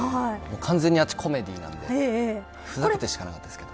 完全にあっち、コメディーなんでふざけてしかないですけど。